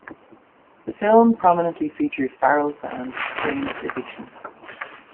The film prominently features Farrell's band Jane's Addiction.